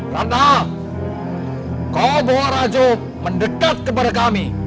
rana kau bawa raju mendekat kepada kami